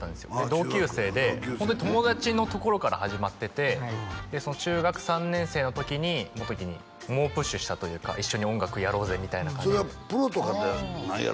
同級生でホントに友達のところから始まってて中学３年生の時に元貴に猛プッシュしたというか一緒に音楽やろうぜみたいな感じでそれはプロとかではないやろ？